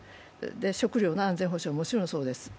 食料の安全保障はもちろんそうです。